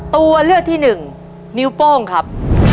ตัวเลือกที่หนึ่งนิ้วโป้งครับ